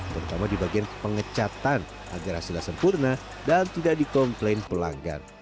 terutama di bagian pengecatan agar hasilnya sempurna dan tidak dikomplain pelanggan